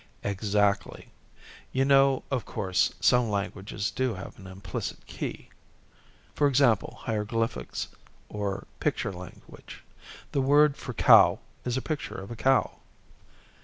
"Exactly. You know, of course, some languages do have an implicit key? For example hieroglyphics or picture language. The word for cow is a picture of a cow."